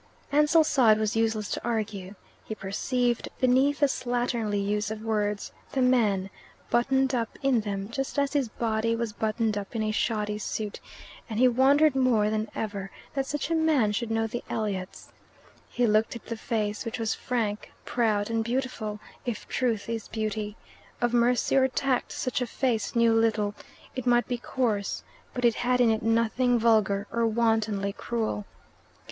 Ansell saw it was useless to argue. He perceived, beneath the slatternly use of words, the man, buttoned up in them, just as his body was buttoned up in a shoddy suit, and he wondered more than ever that such a man should know the Elliots. He looked at the face, which was frank, proud, and beautiful, if truth is beauty. Of mercy or tact such a face knew little. It might be coarse, but it had in it nothing vulgar or wantonly cruel.